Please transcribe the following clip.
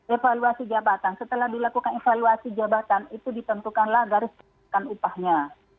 evaluasi jabatan setelah dilakukan evaluasi jabatan itu ditentukanlah gariskan upahnya